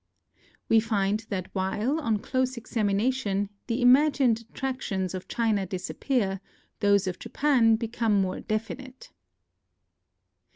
... We find that while, on close examination, the imagined attractions of China disappear, those of Japan become more definite."